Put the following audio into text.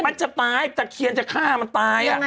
มันจะตายตะเคียนจะฆ่ามันตาย